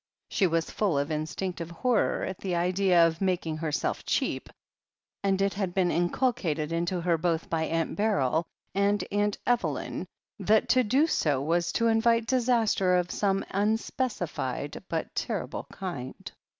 She was full of instinctive horror at the idea of ^'making herself cheap," and it had been inculcated into her both by Aunt Beryl and Aunt Evelyn that to do so was to invite disaster of some unspecified but terrible kind.